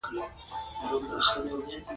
آسونه وشڼېدل او وړې تیږې د غونډۍ نه ورغړېدې.